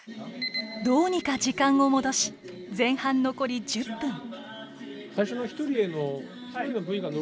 どうにか時間を戻し前半残り１０分。